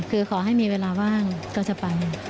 คือขอให้มีเวลาว่างก็จะไป